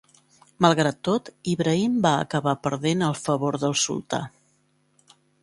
Malgrat tot, Ibrahim va acabar perdent el favor del Sultà.